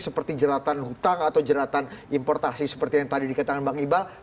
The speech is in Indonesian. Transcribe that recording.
seperti jelatan hutang atau jelatan importasi seperti yang tadi dikatakan bang ibal